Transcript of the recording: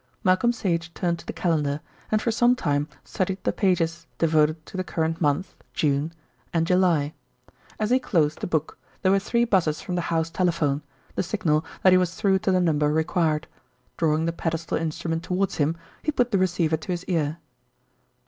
Malcolm Sage turned to the calendar, and for some time studied the pages devoted to the current month (June) and July. As he closed the book there were three buzzes from the house telephone, the signal that he was through to the number required. Drawing the pedestal instrument towards him, he put the receiver to his ear.